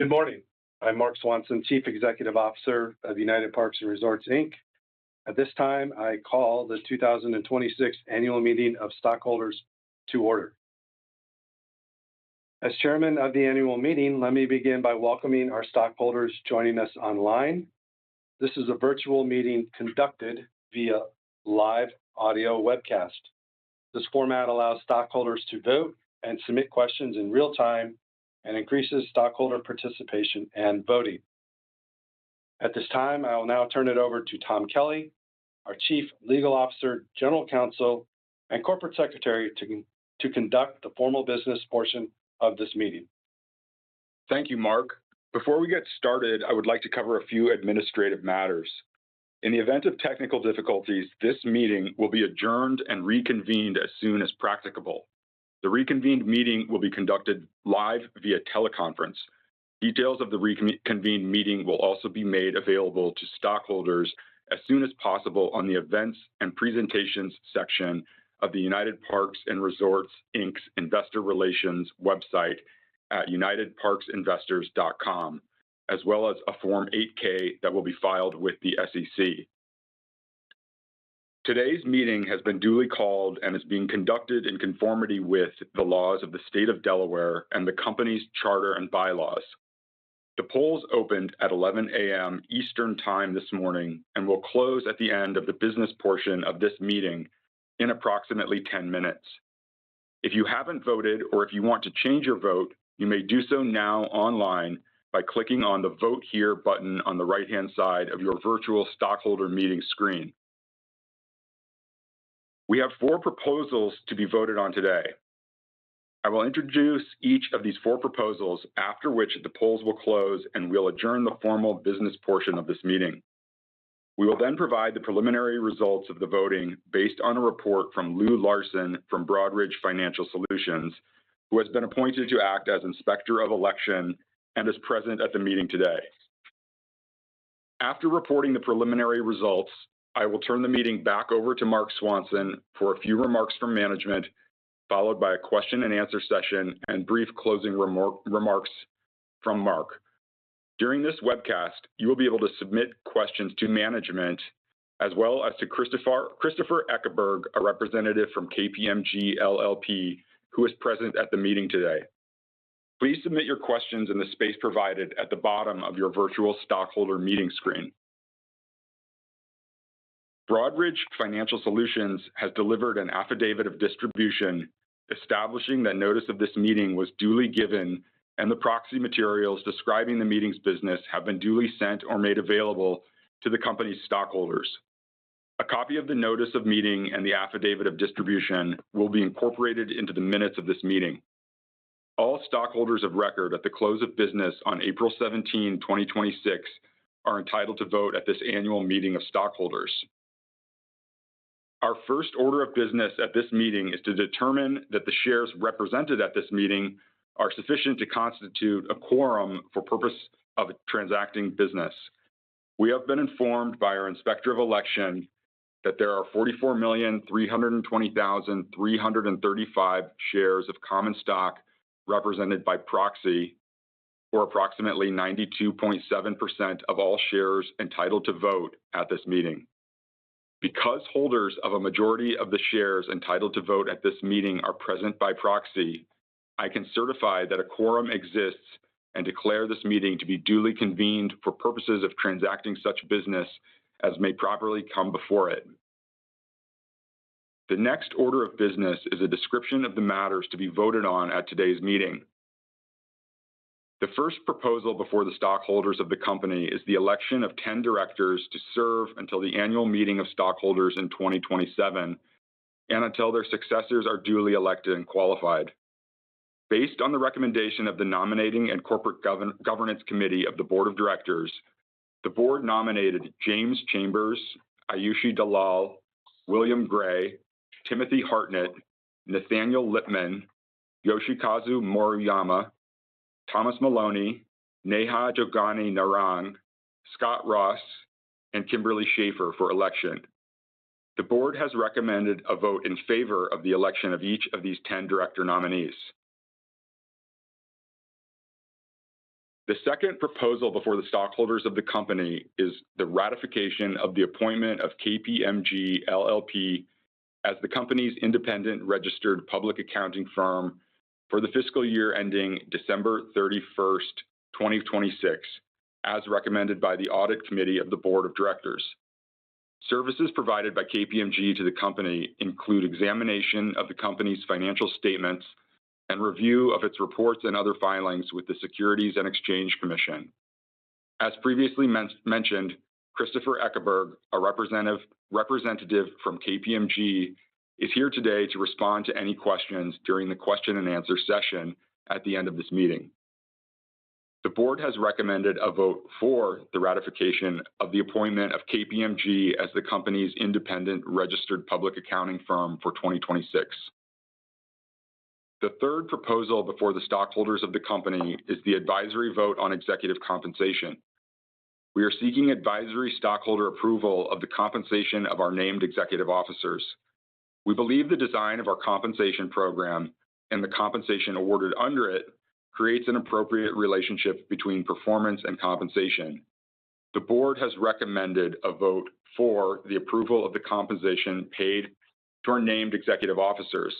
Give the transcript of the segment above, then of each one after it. Good morning. I'm Marc Swanson, Chief Executive Officer of United Parks & Resorts Inc. At this time, I call the 2026 annual meeting of stockholders to order. As Chairman of the annual meeting, let me begin by welcoming our stockholders joining us online. This is a virtual meeting conducted via live audio webcast. This format allows stockholders to vote and submit questions in real time and increases stockholder participation and voting. At this time, I will now turn it over to Tom Kelly, our Chief Legal Officer, General Counsel, and Corporate Secretary to conduct the formal business portion of this meeting. Thank you, Marc. Before we get started, I would like to cover a few administrative matters. In the event of technical difficulties, this meeting will be adjourned and reconvened as soon as practicable. The reconvened meeting will be conducted live via teleconference. Details of the reconvened meeting will also be made available to stockholders as soon as possible on the Events and Presentations section of the United Parks & Resorts Inc.'s Investor Relations website at unitedparksinvestors.com, as well as a Form 8-K that will be filed with the SEC. Today's meeting has been duly called and is being conducted in conformity with the laws of the state of Delaware and the company's charter and bylaws. The polls opened at 11:00 A.M. Eastern Time this morning and will close at the end of the business portion of this meeting in approximately 10 minutes. If you haven't voted or if you want to change your vote, you may do so now online by clicking on the Vote Here button on the right-hand side of your virtual stockholder meeting screen. We have four proposals to be voted on today. I will introduce each of these four proposals, after which the polls will close, and we'll adjourn the formal business portion of this meeting. We will then provide the preliminary results of the voting based on a report from Lou Larson from Broadridge Financial Solutions, who has been appointed to act as Inspector of Election and is present at the meeting today. After reporting the preliminary results, I will turn the meeting back over to Marc Swanson for a few remarks from management, followed by a question and answer session and brief closing remarks from Marc. During this webcast, you will be able to submit questions to management as well as to Christopher Eckerberg, a representative from KPMG LLP, who is present at the meeting today. Please submit your questions in the space provided at the bottom of your virtual stockholder meeting screen. Broadridge Financial Solutions has delivered an affidavit of distribution establishing that notice of this meeting was duly given and the proxy materials describing the meeting's business have been duly sent or made available to the company's stockholders. A copy of the notice of meeting and the affidavit of distribution will be incorporated into the minutes of this meeting. All stockholders of record at the close of business on April 17, 2026, are entitled to vote at this annual meeting of stockholders. Our first order of business at this meeting is to determine that the shares represented at this meeting are sufficient to constitute a quorum for purpose of transacting business. We have been informed by our Inspector of Election that there are 44,320,335 shares of common stock represented by proxy, or approximately 92.7% of all shares entitled to vote at this meeting. Because holders of a majority of the shares entitled to vote at this meeting are present by proxy, I can certify that a quorum exists and declare this meeting to be duly convened for purposes of transacting such business as may properly come before it. The next order of business is a description of the matters to be voted on at today's meeting. The first proposal before the stockholders of the company is the election of 10 directors to serve until the annual meeting of stockholders in 2027 and until their successors are duly elected and qualified. Based on the recommendation of the Nominating and Corporate Governance Committee of the Board of Directors, the board nominated James Chambers, Aayushi Dalal, William Gray, Timothy Hartnett, Nathaniel Lipman, Yoshikazu Maruyama, Thomas Moloney, Neha Jogani Narang, Scott Ross, and Kimberly Schaefer for election. The board has recommended a vote in favor of the election of each of these 10 director nominees. The second proposal before the stockholders of the company is the ratification of the appointment of KPMG LLP as the company's independent registered public accounting firm for the fiscal year ending December 31st, 2026, as recommended by the Audit Committee of the Board of Directors. Services provided by KPMG to the company include examination of the company's financial statements and review of its reports and other filings with the Securities and Exchange Commission. As previously mentioned, Christopher Eckerberg, a representative from KPMG, is here today to respond to any questions during the question and answer session at the end of this meeting. The board has recommended a vote for the ratification of the appointment of KPMG as the company's independent registered public accounting firm for 2026. The third proposal before the stockholders of the company is the advisory vote on executive compensation. We are seeking advisory stockholder approval of the compensation of our named executive officers. We believe the design of our compensation program and the compensation awarded under it creates an appropriate relationship between performance and compensation. The board has recommended a vote for the approval of the compensation paid to our named executive officers.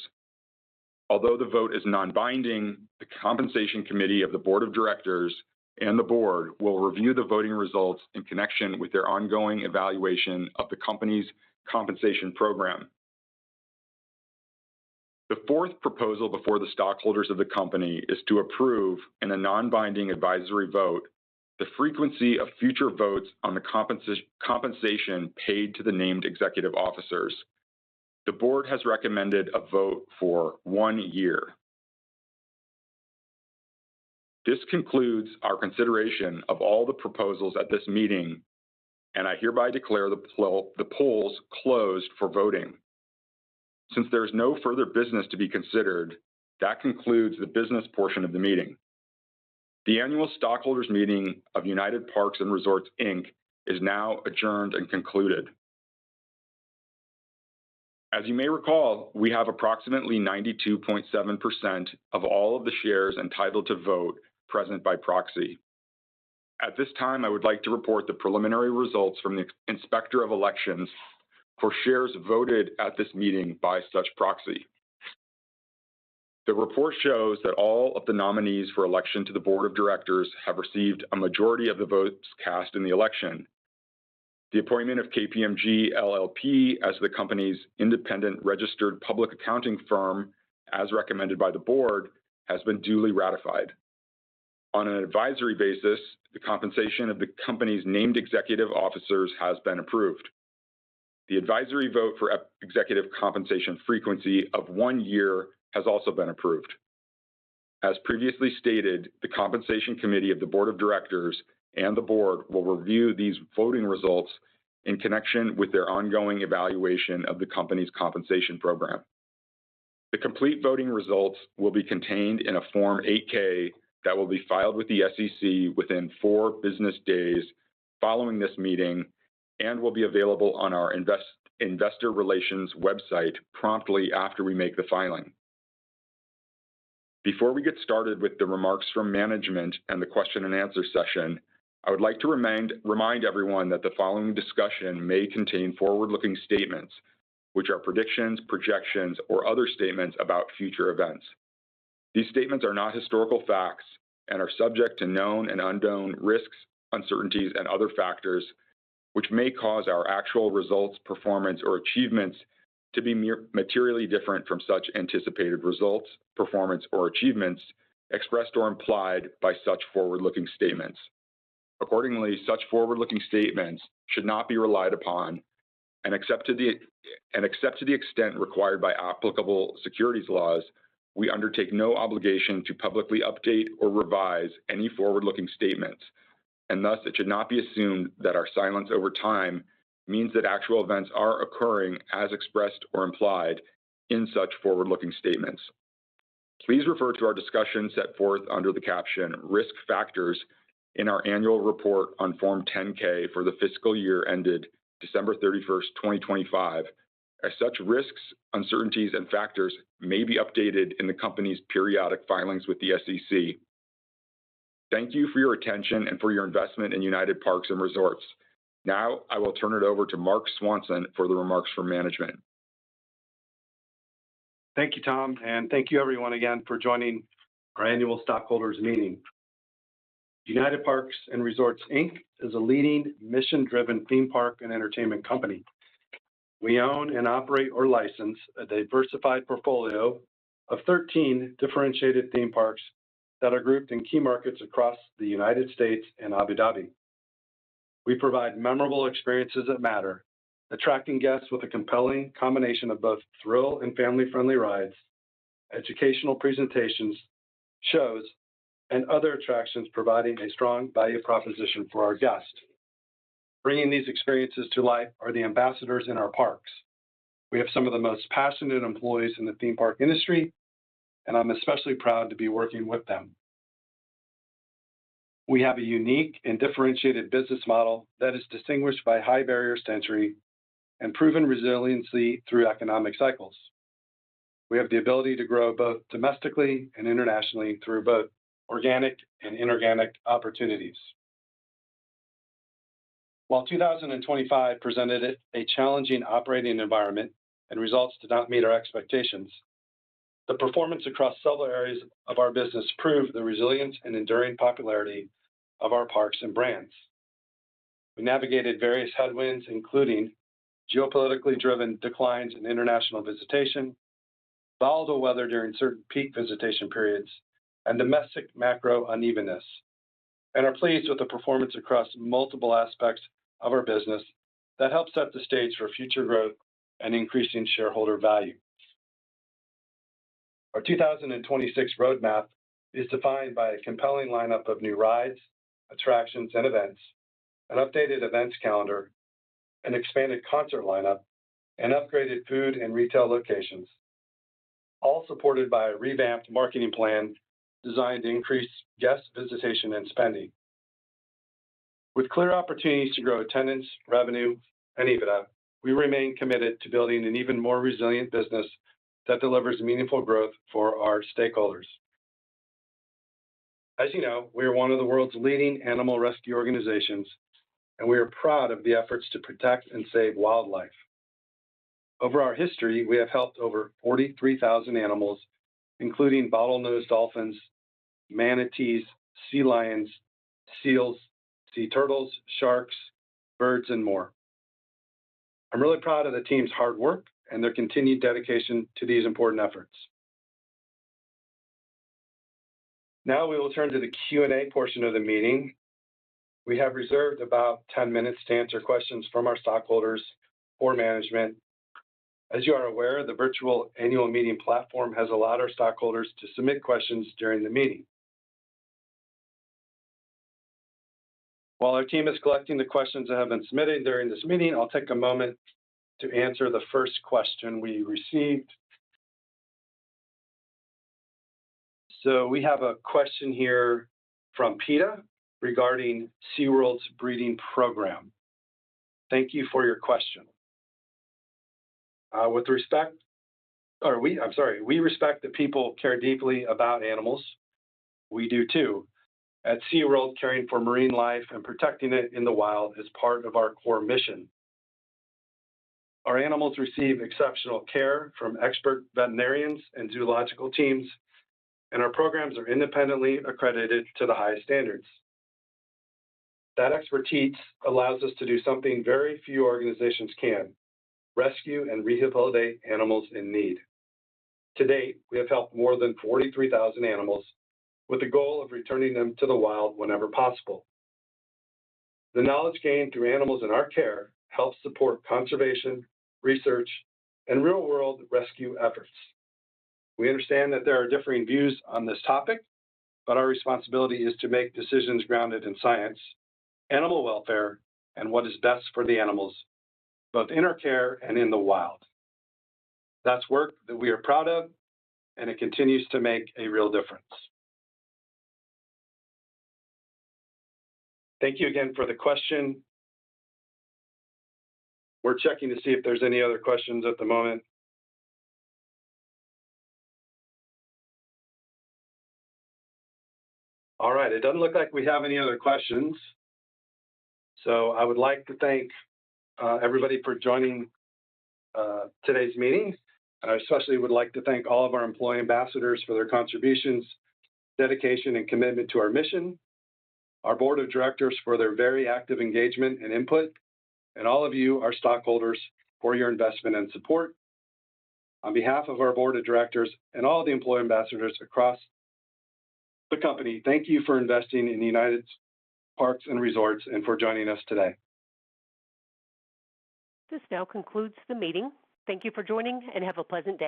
Although the vote is non-binding, the Compensation Committee of the Board of Directors and the board will review the voting results in connection with their ongoing evaluation of the company's compensation program. The fourth proposal before the stockholders of the company is to approve, in a non-binding advisory vote, the frequency of future votes on the compensation paid to the named executive officers. The board has recommended a vote for one year. This concludes our consideration of all the proposals at this meeting, and I hereby declare the polls closed for voting. Since there's no further business to be considered, that concludes the business portion of the meeting. The annual stockholders meeting of United Parks & Resorts Inc. is now adjourned and concluded. As you may recall, we have approximately 92.7% of all of the shares entitled to vote present by proxy. At this time, I would like to report the preliminary results from the Inspector of Elections for shares voted at this meeting by such proxy. The report shows that all of the nominees for election to the board of directors have received a majority of the votes cast in the election. The appointment of KPMG LLP as the company's independent registered public accounting firm, as recommended by the board, has been duly ratified. On an advisory basis, the compensation of the company's named executive officers has been approved. The advisory vote for executive compensation frequency of one year has also been approved. As previously stated, the Compensation Committee of the Board of Directors and the board will review these voting results in connection with their ongoing evaluation of the company's compensation program. The complete voting results will be contained in a Form 8-K that will be filed with the SEC within four business days following this meeting and will be available on our investor relations website promptly after we make the filing. Before we get started with the remarks from management and the question and answer session, I would like to remind everyone that the following discussion may contain forward-looking statements, which are predictions, projections, or other statements about future events. These statements are not historical facts and are subject to known and unknown risks, uncertainties, and other factors which may cause our actual results, performance, or achievements to be materially different from such anticipated results, performance, or achievements expressed or implied by such forward-looking statements. Accordingly, such forward-looking statements should not be relied upon, except to the extent required by applicable securities laws, we undertake no obligation to publicly update or revise any forward-looking statements. Thus, it should not be assumed that our silence over time means that actual events are occurring as expressed or implied in such forward-looking statements. Please refer to our discussion set forth under the caption "Risk Factors" in our annual report on Form 10-K for the fiscal year ended December 31st, 2025, as such risks, uncertainties, and factors may be updated in the company's periodic filings with the SEC. Thank you for your attention and for your investment in United Parks & Resorts. Now, I will turn it over to Marc Swanson for the remarks from management. Thank you, Tom, and thank you everyone again for joining our annual stockholders meeting. United Parks & Resorts, Inc. is a leading mission-driven theme park and entertainment company. We own and operate or license a diversified portfolio of 13 differentiated theme parks that are grouped in key markets across the U.S. and Abu Dhabi. We provide memorable experiences that matter, attracting guests with a compelling combination of both thrill and family-friendly rides, educational presentations, shows, and other attractions providing a strong value proposition for our guests. Bringing these experiences to life are the ambassadors in our parks. We have some of the most passionate employees in the theme park industry, I'm especially proud to be working with them. We have a unique and differentiated business model that is distinguished by high barriers to entry and proven resiliency through economic cycles. We have the ability to grow both domestically and internationally through both organic and inorganic opportunities. While 2025 presented a challenging operating environment and results did not meet our expectations, the performance across several areas of our business proved the resilience and enduring popularity of our parks and brands. We navigated various headwinds, including geopolitically-driven declines in international visitation, volatile weather during certain peak visitation periods, and domestic macro unevenness. We are pleased with the performance across multiple aspects of our business that help set the stage for future growth and increasing shareholder value. Our 2026 roadmap is defined by a compelling lineup of new rides, attractions, and events, an updated events calendar, an expanded concert lineup, and upgraded food and retail locations. All supported by a revamped marketing plan designed to increase guest visitation and spending. With clear opportunities to grow attendance, revenue, and EBITDA, we remain committed to building an even more resilient business that delivers meaningful growth for our stakeholders. As you know, we are one of the world's leading animal rescue organizations. We are proud of the efforts to protect and save wildlife. Over our history, we have helped over 43,000 animals, including bottlenose dolphins, manatees, sea lions, seals, sea turtles, sharks, birds, and more. I'm really proud of the team's hard work and their continued dedication to these important efforts. We will turn to the Q&A portion of the meeting. We have reserved about 10 minutes to answer questions from our stockholders or management. As you are aware, the virtual annual meeting platform has allowed our stockholders to submit questions during the meeting. While our team is collecting the questions that have been submitted during this meeting, I'll take a moment to answer the first question we received. We have a question here from PETA regarding SeaWorld's breeding program. Thank you for your question. We respect that people care deeply about animals. We do, too. At SeaWorld, caring for marine life and protecting it in the wild is part of our core mission. Our animals receive exceptional care from expert veterinarians and zoological teams. Our programs are independently accredited to the highest standards. That expertise allows us to do something very few organizations can, rescue and rehabilitate animals in need. To date, we have helped more than 43,000 animals with the goal of returning them to the wild whenever possible. The knowledge gained through animals in our care helps support conservation, research, and real-world rescue efforts. We understand that there are differing views on this topic, Our responsibility is to make decisions grounded in science, animal welfare, and what is best for the animals, both in our care and in the wild. That's work that we are proud of, and it continues to make a real difference. Thank you again for the question. We're checking to see if there's any other questions at the moment. All right. It doesn't look like we have any other questions, I would like to thank everybody for joining today's meeting, and I especially would like to thank all of our employee ambassadors for their contributions, dedication, and commitment to our mission, our board of directors for their very active engagement and input, and all of you, our stockholders, for your investment and support. On behalf of our board of directors and all the employee ambassadors across the company, thank you for investing in United Parks & Resorts, and for joining us today. This now concludes the meeting. Thank you for joining, and have a pleasant day.